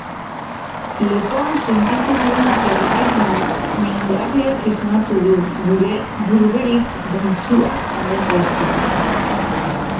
Lepoan sentitu duen zerbait mingarriak esnatu du gure Berbelitz dontsua amesgaiztotik.